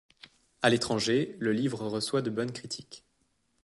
À l'étranger, le livre reçoit de bonnes critiques.